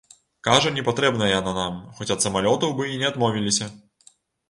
Кажа, не патрэбная яна нам, хоць ад самалётаў бы і не адмовіліся.